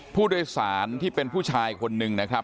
ผู้โดยสารที่เป็นผู้ชายคนหนึ่ง